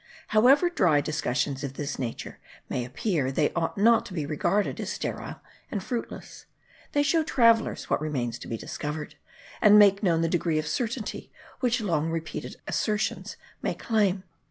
However dry discussions of this nature may appear, they ought not to be regarded as sterile and fruitless. They show travellers what remains to be discovered; and make known the degree of certainty which long repeated assertions may claim.